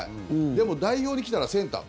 でも、代表に来たらセンター。